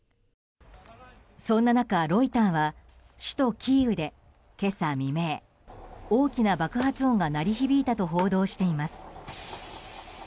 そんな中、ロイターは首都キーウで今朝未明大きな爆発音が鳴り響いたと報道しています。